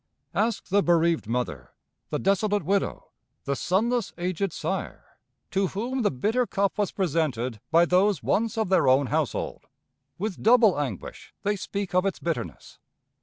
Ask the bereaved mother, the desolate widow, the sonless aged sire, to whom the bitter cup was presented by those once of their own household. With double anguish they speak of its bitterness.